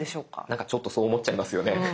なんかちょっとそう思っちゃいますよね。